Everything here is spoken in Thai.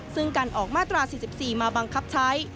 ซึ่งการออกมาตรา๔๔มาบังคับใช้